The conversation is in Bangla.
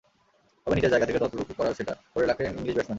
তবে নিজের জায়গা থেকে যতটুকু করার সেটা করে রাখলেন ইংলিশ ব্যাটসম্যান।